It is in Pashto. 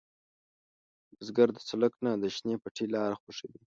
بزګر د سړک نه، د شنې پټي لاره خوښوي